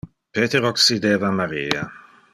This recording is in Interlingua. Peter occideva Maria.